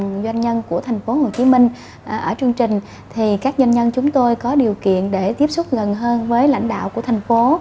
các doanh nhân của thành phố hồ chí minh ở chương trình các doanh nhân chúng tôi có điều kiện để tiếp xúc gần hơn với lãnh đạo của thành phố